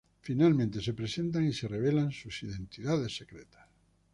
Finalmente se presentan y se revelan sus identidades secretas.